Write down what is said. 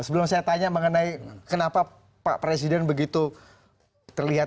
sebelum saya tanya mengenai kenapa pak presiden begitu terlihat